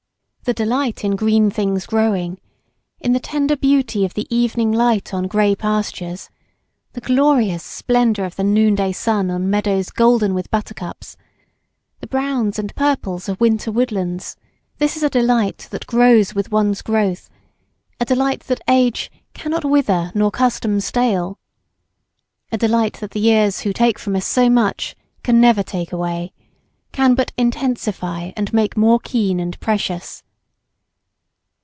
The delight in green things growing, in the tender beauty of the evening light on grey pastures, the glorious splendour of the noonday sun on meadows golden with buttercups, the browns and purples of winter woodlands this is a delight that grows with one's growth a delight that "age cannot wither nor custom stale," a delight that the years who take from us so much can never take away can but intensify and make more keen and precious.